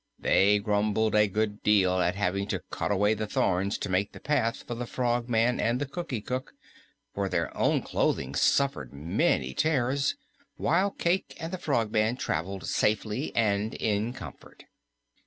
They grumbled a good deal at having to cut away the thorns to make the path for the Frogman and the Cookie Cook, for their own clothing suffered many tears, while Cayke and the Frogman traveled safely and in comfort.